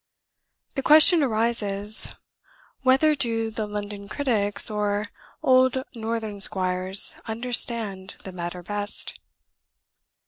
The question arises, whether do the London critics, or the old Northern squires, understand the matter best?